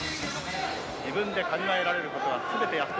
自分で考えられる事は全てやってきました。